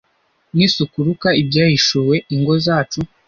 n isuku Luka Ibyahishuwe Ingo zacu